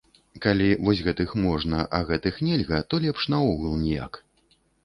Калі вось гэтых можна, а гэтых нельга, то лепш наогул ніяк.